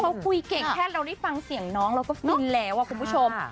เขาคุยเก่งแค่เราได้ฟังเสียงน้องเราก็ฟินแล้วคุณผู้ชม